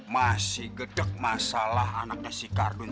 masih gedek masalah anaknya si kardun